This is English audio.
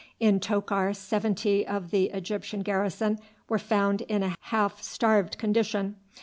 In Tokar seventy of the Egyptian garrison were found in a half starved condition.